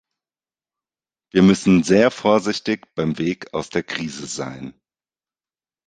Wir müssen sehr vorsichtig beim Weg aus der Krise sein.